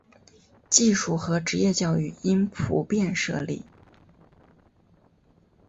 技术和职业教育应普遍设立。